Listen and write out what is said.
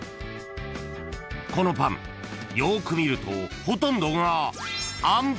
［このパンよーく見るとほとんどが］